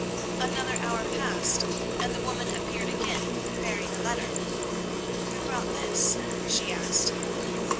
Another hour passed, and the woman appeared again bearing a letter. "Who brought this?" she asked.